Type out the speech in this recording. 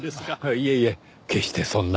いえいえ決してそんな。